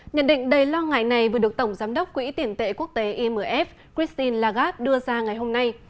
nhận định đầy lo ngại này vừa được tổng giám đốc quỹ tiền tệ quốc tế imf christine lagarde đưa ra ngày hôm nay